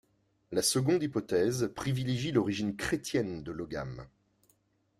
La seconde hypothèse, privilégie l'origine chrétienne de l'ogham.